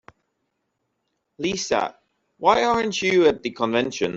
Lisa, why aren't you at the convention?